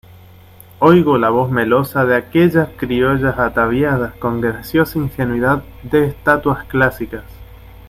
oigo la voz melosa de aquellas criollas ataviadas con graciosa ingenuidad de estatuas clásicas